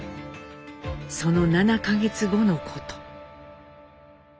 その７か月後のこと。